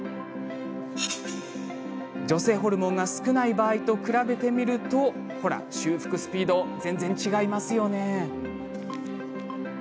女性ホルモンが少ない場合と比べてみるとほら修復スピードが全然違いますよね。